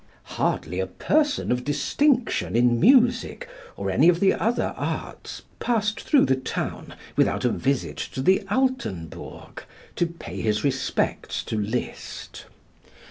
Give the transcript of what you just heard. Hardly a person of distinction in music or any of the other arts passed through the town without a visit to the Altenburg, to pay his respects to Liszt.